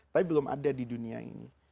tapi belum ada di dunia ini